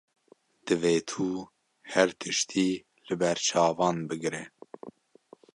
Divê tu her tiştî li ber çavan bigire.